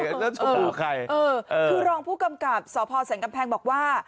แล้วชมพู่ใครเออคือรองผู้กำกับสพสันกำแพงบอกว่า